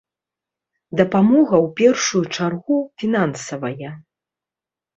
Дапамога ў першую чаргу фінансавая.